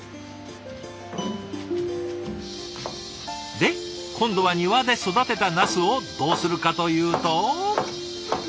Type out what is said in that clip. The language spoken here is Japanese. で今度は庭で育てたナスをどうするかというと。